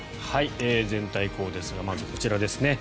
全体、こうですがまずこちらですね。